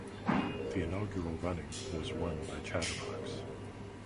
The inaugural running was won by Chatterbox.